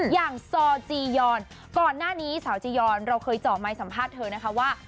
อย่างซอจียอนก่อนหน้านี้สาวจียอนเราเคยเจาะไม้สัมภาษณ์เธอนะคะว่า